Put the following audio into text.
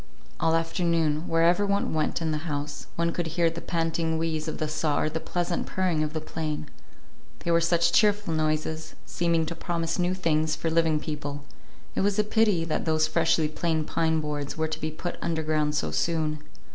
All afternoon, wherever one went in the house, one could hear the panting wheeze of the saw or the pleasant purring of the plane. They were such cheerful noises, seeming to promise new things for living people: it was a pity that those freshly planed pine boards were to be put underground so soon.